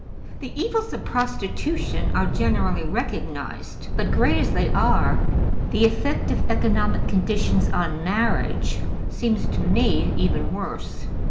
The evils of prostitution are generally recognized, but, great as they are, the effect of economic conditions on marriage seems to me even worse.